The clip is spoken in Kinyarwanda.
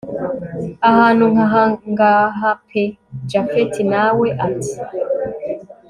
ahantu nkahangaha pe! japhet nawe ati